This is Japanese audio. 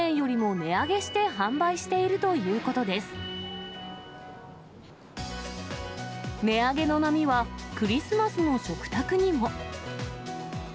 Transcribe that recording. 値上げの波は、クリスマスの食卓にも。